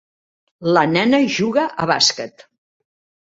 La nena juga a bàsquet.